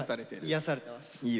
癒やされてます。